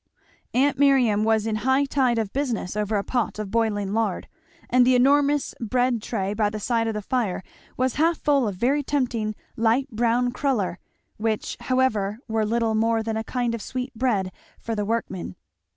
Aunt Miriam was in high tide of business over a pot of boiling lard, and the enormous bread tray by the side of the fire was half full of very tempting light brown cruller, which however were little more than a kind of sweet bread for the workmen.